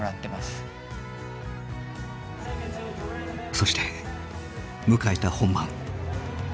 そして迎えた本番。